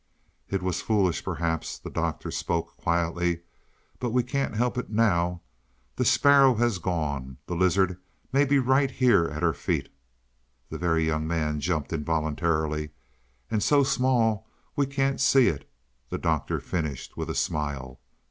"It was foolish perhaps." The Doctor spoke quietly. "But we can't help it now. The sparrow has gone. That lizard may be right here at our feet" The Very Young Man jumped involuntarily "and so small we can't see it," the Doctor finished with a smile.